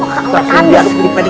oh kakak mbak tanda